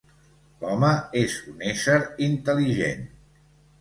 L'home és un ésser intel·ligent.